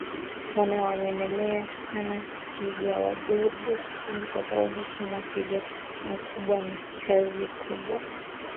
wana wanyemelea sana tiga wadogo Hii ni kwasababu kumuuwa twiga mkubwa ni kazi kubwa